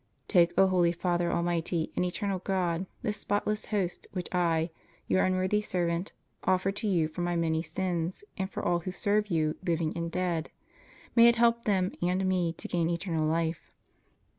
*Take, O holy Father, almighty and eternal God, this spotless host which I, Your unworthy servant, offer to You for my many sins and for all who serve You, living and dead. May it help them and me to gain eternal life.